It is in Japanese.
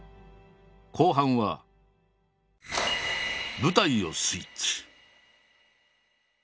後半は舞台をスイッチ。